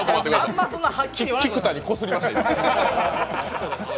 菊田にこすりました、今。